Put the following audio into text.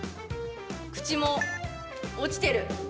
口も落ちてる。